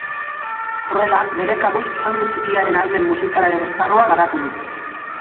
Horrela, bere kabuz soinu txikiaren ahalmen musikalaren esparrua garatu du.